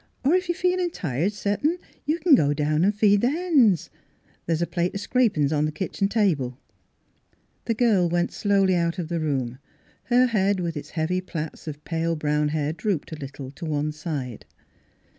" Or, if you're tired settin' you c'n go down an' feed the hens. The' 's a plate o' scrapin's on th' kitchen table." The girl went slowly out of the room, her head with its heavy plaits of pale brown hair drooped a little to one side.